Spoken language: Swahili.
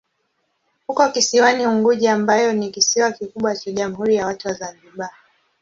Uko kisiwani Unguja ambayo ni kisiwa kikubwa cha Jamhuri ya Watu wa Zanzibar.